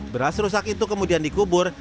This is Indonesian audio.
beras rusak itu kemudian dikubur